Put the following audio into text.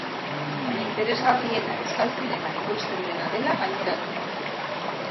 Baina interesgarriena euskal zineman ekoizten dena dela gaineratu du.